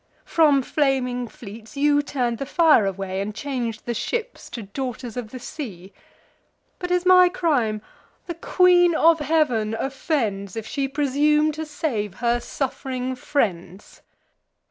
From flaming fleets you turn'd the fire away, And chang'd the ships to daughters of the sea. But is my crime—the Queen of Heav'n offends, If she presume to save her suff'ring friends!